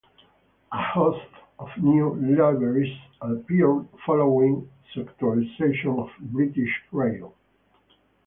A host of new liveries appeared following sectorisation of British Rail.